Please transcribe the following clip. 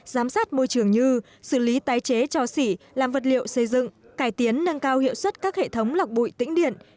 giám sát môi trường như xử lý tái chế cho xỉ làm vật liệu xây dựng cải tiến nâng cao hiệu suất các hệ thống lọc bụi tĩnh điện